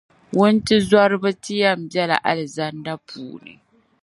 Wuntizɔriba yɛn ti bela Alizanda puuni.